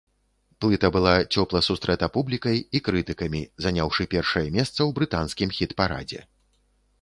Плыта была цёпла сустрэта публікай і крытыкамі, заняўшы першае месца ў брытанскім хіт-парадзе.